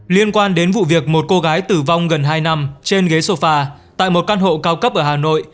liên quan đến vụ việc một cô gái tử vong gần hai năm trên ghế sofa tại một căn hộ cao cấp ở hà nội